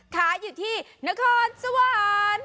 ขายอยู่ที่นครสวรรค์